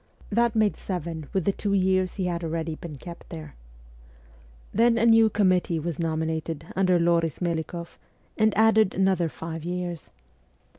That made seven with the two years he had already been kept there. Then a new committee was nominated under L6ris Melikoff, and added another five years.